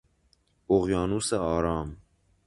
اقیانوس آرام